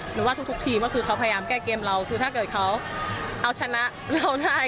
ว่าทุกทีมก็คือเขาพยายามแก้เกมเราคือถ้าเกิดเขาเอาชนะเราได้